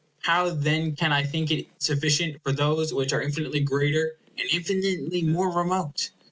How then can I think it sufficient for those which are infinitely greater, and infinitely more remote?